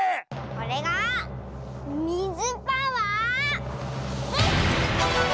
これがみずパワーです！